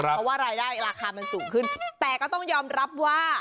เพราะว่ารายได้ราคามันสูงขึ้นแต่ก็ต้องยอมรับว่า